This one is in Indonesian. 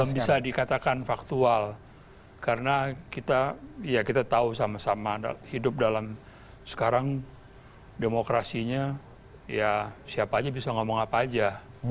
belum bisa dikatakan faktual karena kita tahu sama sama hidup dalam sekarang demokrasinya siapa aja bisa ngomong apa aja